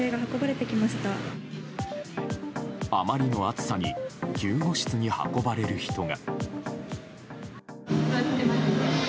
あまりの暑さに救護室に運ばれる人が。